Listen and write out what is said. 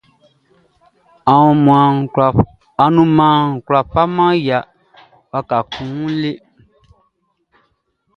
Anumanʼn kwlá faman ya waka kun wun le.